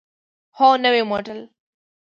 هو، نوی موډل